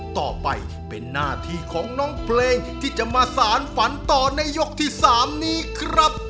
ต่อไปเป็นหน้าที่ของน้องเพลงที่จะมาสารฝันต่อในยกที่๓นี้ครับ